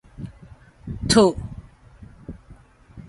托